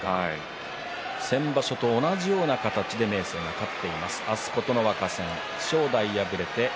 先場所と同じような形で明生が勝っています。